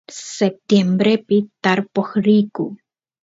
septiembrepi tarpoq riyku